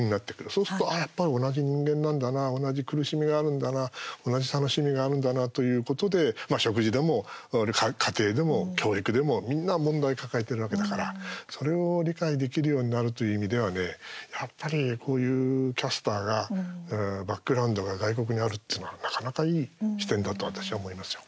そうするとやっぱり同じ人間なんだな同じ苦しみがあるんだな同じ楽しみがあるんだなということで食事でも家庭でも教育でも、みんな問題抱えているわけだからそれを理解できるようになるという意味ではね、やっぱりこういうキャスターがバックグラウンドが外国にあるっていうのは、なかなかいい視点だと私は思いますよ。